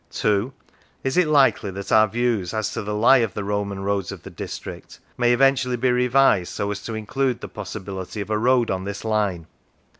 (2) Is it likely that our views as to the lie of the Roman roads of the district may eventually be revised so as to include the possibility of a road on this line